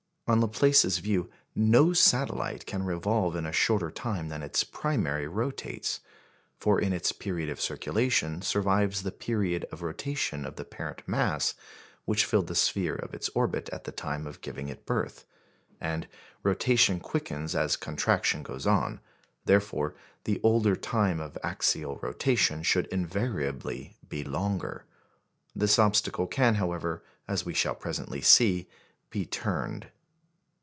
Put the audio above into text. On Laplace's view, no satellite can revolve in a shorter time than its primary rotates; for in its period of circulation survives the period of rotation of the parent mass which filled the sphere of its orbit at the time of giving it birth. And rotation quickens as contraction goes on; therefore, the older time of axial rotation should invariably be the longer. This obstacle can, however, as we shall presently see, be turned.